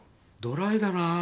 ドライだな。